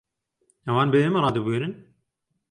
ئەوان بە ئێمە ڕادەبوێرن؟